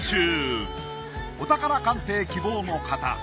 お宝鑑定希望の方